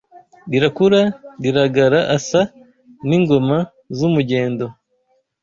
Rirakura riragara Asa n’ingoma z’umugendo